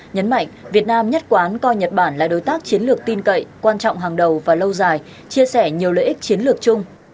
nhấn mạnh việt nam nhất quán coi nhật bản là đối tác chiến lược tin cậy quan trọng hàng đầu và lâu dài chia sẻ nhiều lợi ích chiến lược chung